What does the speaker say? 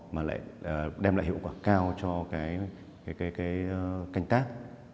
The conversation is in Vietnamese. mà lại đem lại hiệu quả cao cho cái canh tác